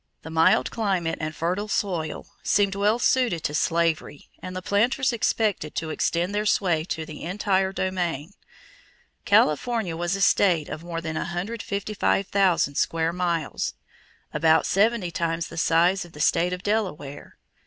The mild climate and fertile soil seemed well suited to slavery and the planters expected to extend their sway to the entire domain. California was a state of more than 155,000 square miles about seventy times the size of the state of Delaware.